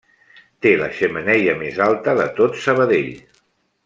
Té la xemeneia més alta de tot Sabadell.